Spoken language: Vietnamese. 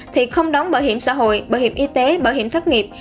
thì không đóng bảo hiểm xã hội bảo hiểm y tế bảo hiểm thất nghiệp